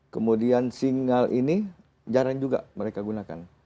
kemudian single ini jarang juga mereka gunakan